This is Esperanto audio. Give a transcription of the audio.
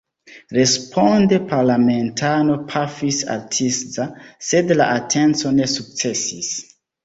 Responde parlamentano pafis al Tisza, sed la atenco ne sukcesis.